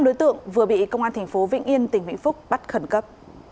năm đối tượng vừa bị công an tp vĩnh yên tỉnh vĩnh phúc bắt khẩn cấp